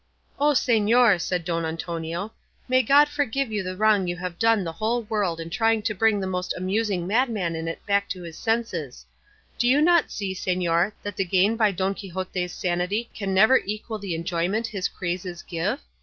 "O señor," said Don Antonio, "may God forgive you the wrong you have done the whole world in trying to bring the most amusing madman in it back to his senses. Do you not see, señor, that the gain by Don Quixote's sanity can never equal the enjoyment his crazes give?